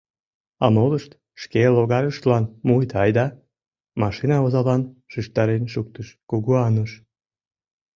А молышт шке логарыштлан муыт айда, — машина озалан шижтарен шуктыш Кугу Ануш.